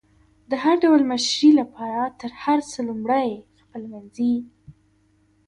د هر ډول مشري لپاره تر هر څه لمړی خپلمنځي